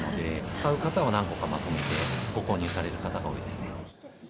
買う方は何個かまとめてご購入される方が多いですね。